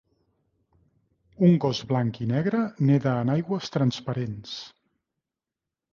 Un gos blanc i negre neda en aigües transparents.